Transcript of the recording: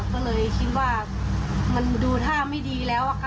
ก็เลยคิดว่ามันดูท่าไม่ดีแล้วค่ะ